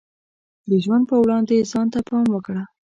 د ژوند په وړاندې ځان ته پام وکړه.